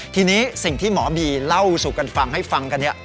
ทีนี้สิ่งที่หมอบีเล่าสู่กันฟังให้ฟังกันเนี่ย